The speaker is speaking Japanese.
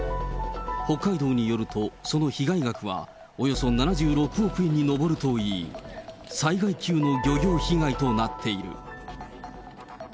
北海道によると、その被害額はおよそ７６億円に上るといい、災害級の漁業被害となっている。